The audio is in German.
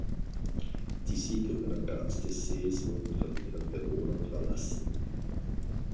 Die Siedlungen am Rand des Sees wurden von ihren Bewohnern verlassen.